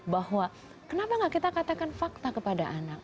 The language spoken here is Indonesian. bahwa kenapa gak kita katakan fakta kepada anak